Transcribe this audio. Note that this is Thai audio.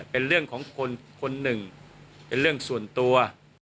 เป็นเรื่องของคนหนึ่งเป็นเรื่องส่วนตัว